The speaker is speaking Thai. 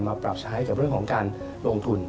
มาปรับใช้กับเรื่องของการลงทุน